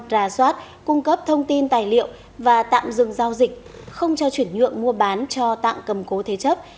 ra soát cung cấp thông tin tài liệu và tạm dừng giao dịch không cho chuyển nhượng mua bán cho tạm cầm cố thế chấp